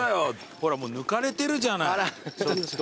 ほらもう抜かれてるじゃない。